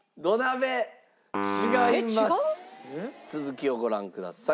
続きをご覧ください。